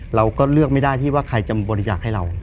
เราก็เลือกไม่ได้ที่ว่าใครจะบริจาคให้เรา